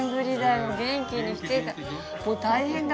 もう大変だ。